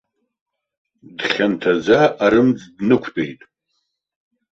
Дхьанҭаӡа арымӡ днықәтәеит.